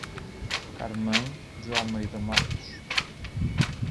Carmem de Almeida Matos